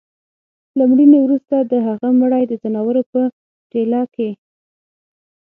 له مړيني وروسته د هغه مړى د ځناورو په ټېله کي